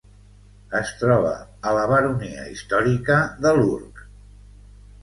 Es troba a la baronia històrica de Lurg.